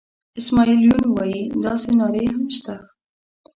اسماعیل یون وایي داسې نارې هم شته.